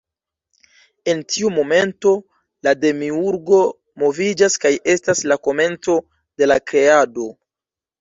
En tiu momento la Demiurgo moviĝas kaj estas la komenco de la Kreado.